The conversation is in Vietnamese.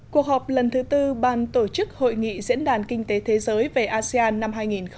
cuộc họp lần thứ tư ban tổ chức hội nghị diễn đàn kinh tế thế giới về asean năm hai nghìn hai mươi